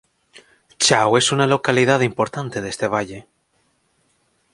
Chao es una localidad importante de este valle.